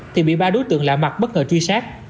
thì bị ba đối tượng lạ mặt bất ngờ truy xét